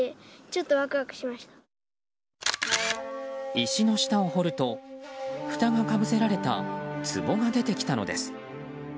石の下を掘るとふたがかぶせられたつぼが出てきたのです。